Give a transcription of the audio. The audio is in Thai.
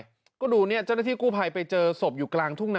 ไงก็ดูเนี่ยเจ้าหน้าที่พายไปเจอสมอยู่กลางถุงน่ะ